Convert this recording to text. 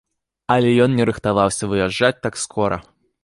Але ён не рыхтаваўся выязджаць так скора.